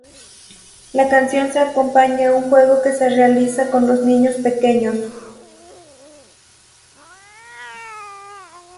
La canción se acompaña a un juego que se realiza con los niños pequeños.